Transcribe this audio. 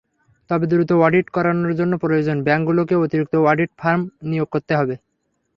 তবে দ্রুত অডিট করানোর জন্য প্রয়োজনে ব্যাংকগুলোকে অতিরিক্ত অডিট ফার্ম নিয়োগ করতে হবে।